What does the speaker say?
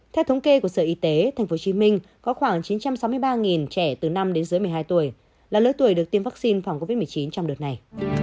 theo thống kê của sở y tế tp hcm có khoảng chín trăm sáu mươi ba trẻ từ năm đến dưới một mươi hai tuổi là lứa tuổi được tiêm vaccine phòng covid một mươi chín trong đợt này